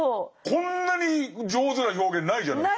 こんなに上手な表現ないじゃないですか。